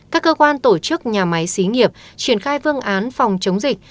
các cơ quan tổ chức nhà máy xí nghiệp triển khai phương án phòng chống dịch